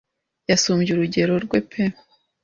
Yasumbye urugero rwe pe